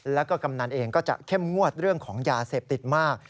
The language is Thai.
แล้วก็กำนันเองก็จะเข้มงวดเรื่องของยาเสพติดมาก